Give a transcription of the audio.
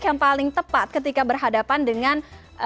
yang paling tepat ketika berhadapan dengan